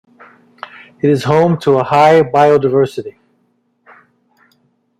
It is home to a high biodiversity.